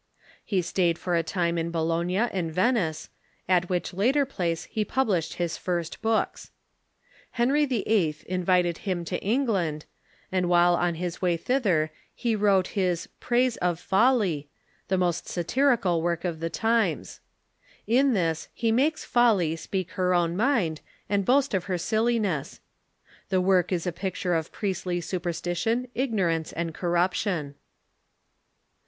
He stayed for a time in Bologna and Venice, at which latter place he published his first books. Henry VHI. invited him to England, and while on his way thither he wrote his " Praise of Folly," the most satirical work of the times. In this he makes Folly speak her own mind, and boast of her silliness. The work is a picture of priestly superstition, ignorance, and corruption.